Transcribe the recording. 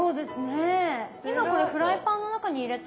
今これフライパンの中に入れたお湯ですか？